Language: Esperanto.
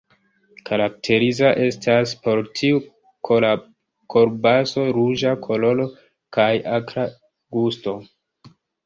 Karakteriza estas por tiu kolbaso ruĝa koloro kaj akra gusto.